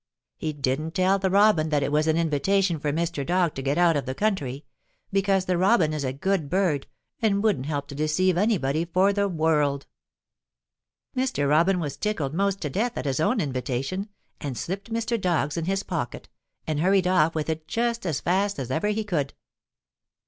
He didn't tell the Robin that it was an invitation for Mr. Dog to get out of the country, because the Robin is a good bird and wouldn't help to deceive anybody for the world. [Illustration: HE FELT FOR THE INVITATION.] Mr. Robin was tickled 'most to death at his own invitation, and slipped Mr. Dog's in his pocket, and hurried off with it just as fast as ever he could.